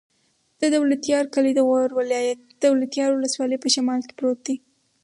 د دولتيار کلی د غور ولایت، دولتيار ولسوالي په شمال کې پروت دی.